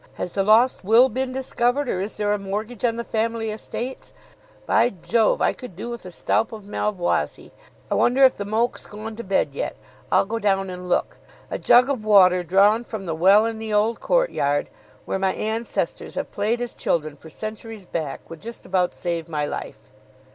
Has the lost will been discovered, or is there a mortgage on the family estates? By Jove, I could do with a stoup of Malvoisie. I wonder if the moke's gone to bed yet. I'll go down and look. A jug of water drawn from the well in the old courtyard where my ancestors have played as children for centuries back would just about save my life."